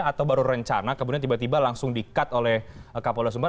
atau baru rencana kemudian tiba tiba langsung di cut oleh kapolda sumber